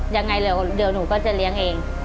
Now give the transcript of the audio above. ยังไงเดี๋ยวหนูก็จะเลี้ยงเอง